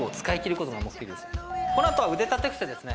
この後は腕立て伏せですね